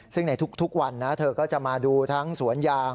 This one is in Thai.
ซึ่งในทุกวันนะเธอก็จะมาดูทั้งสวนยาง